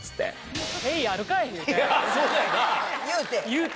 言うて。